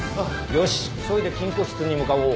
よし急いで金庫室に向かおう。